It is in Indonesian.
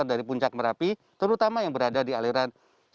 dari puncak merapi terutama yang berada di aliran